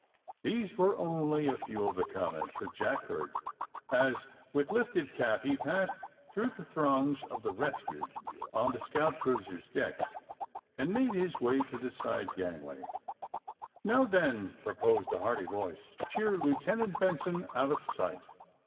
These were only a few of the comments that Jack heard as, with lifted cap, he passed 'through the throngs of the rescued on the scout cruiser's deck and made his way to the side gangway. *^Now, then," proposed a hearty voice, *^ cheer Lieutenant Benson out of sight!